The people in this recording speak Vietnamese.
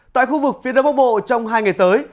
tại khu vực phía đông bắc bộ trong hai ngày tới